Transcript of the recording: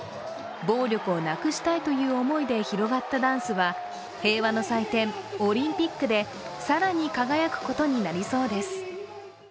暴力をなくしたいという思いで広がったダンスは平和の祭典、オリンピックで更に輝くことになりそうです。